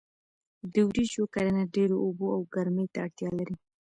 د وریژو کرنه ډیرو اوبو او ګرمۍ ته اړتیا لري.